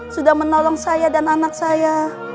sudah menolong saya dan anak saya